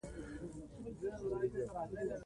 په ازادي راډیو کې د هنر اړوند معلومات ډېر وړاندې شوي.